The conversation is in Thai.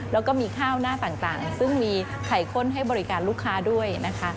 แล้วก็มีข้าวหน้าต่างซึ่งมีไข่ข้นให้บริการลูกค้าด้วยนะคะ